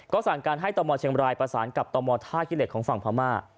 ก็สั่งการให้ตมเชียงบรายประสานกับตมท่าขี้เหล็กของฝั่งพม่า